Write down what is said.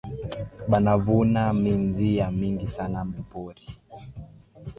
Bana vuna minji ya mingi sana mu pori